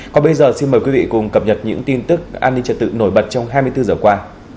còn bây giờ xin mời quý vị cùng cập nhật những tin tức an ninh trật tự nổi bật trong hai mươi bốn giờ qua